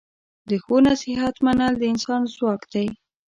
د ښو نصیحت منل د انسان ځواک دی.